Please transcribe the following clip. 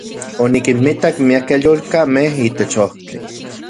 Onikinmitak miakej yolkamej itech ojtli.